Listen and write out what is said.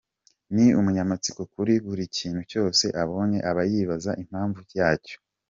Ni umunyamatsiko kuri buri kintu cyose abonye, aba yibaza impamvu yacyo.